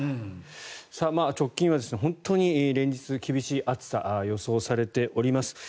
直近は本当に連日厳しい暑さが予想されています。